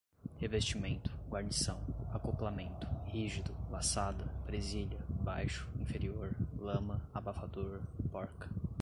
revestimento, guarnição, acoplamento, rígido, laçada, presilha, baixo, inferior, lama, abafador, porca